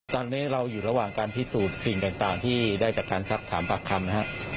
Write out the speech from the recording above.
ตอนนี้เราอยู่ระหว่างการพิสูจน์สิ่งต่างที่ได้จากการซักถามปากคำนะครับ